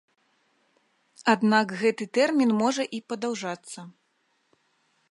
Аднак гэты тэрмін можа і падаўжацца.